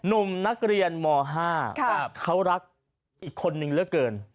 หนุ่มนักเรียนม๕เขารักอีกคนนึงเหลือเกิน